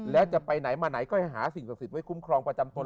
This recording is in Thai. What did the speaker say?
แล้วจะไปไหนมาไหนก็ให้หาสิ่งศักดิ์ไว้คุ้มครองประจำตน